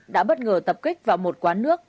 đã bất ngờ tập kích vào một quán nước